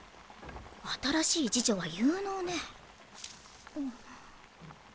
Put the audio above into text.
新しい侍女は有能ね。